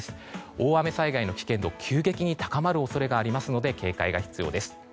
大雨災害の危険度が急激に高まる恐れがありますので警戒が必要です。